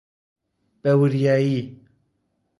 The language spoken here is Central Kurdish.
بەوریایی!